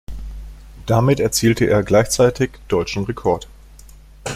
Damit erzielte er gleichzeitig deutschen Rekord.